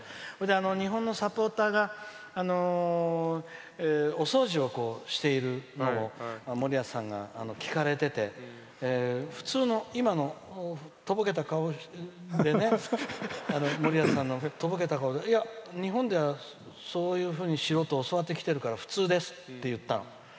日本のサポーターがお掃除をしている森保さんが聞かれてて普通の、今のとぼけた顔でね森保さんの、とぼけた顔で日本では、そういうふうにしろと教わってきてるから普通ですって言ったの。